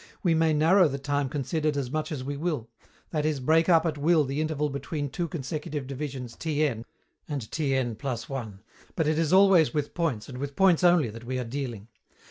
We may narrow the time considered as much as we will, that is, break up at will the interval between two consecutive divisions T_{n} and T_{n | 1}; but it is always with points, and with points only, that we are dealing.